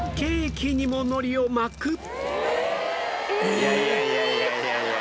いやいやいやいや。